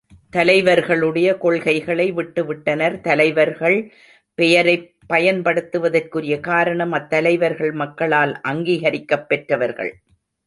தலைவர்களுடைய கொள்கைகளை விட்டு விட்டனர். தலைவர்கள் பெயரைப் பயன்படுத்துவதற்குரிய காரணம் அத்தலைவர்கள் மக்களால் அங்கீகரிக்கப் பெற்றவர்கள்.